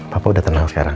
papa udah tenang sekarang